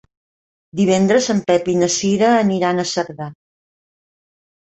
Divendres en Pep i na Cira aniran a Cerdà.